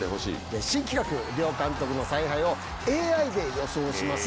新企画両監督の采配をＡＩで予想します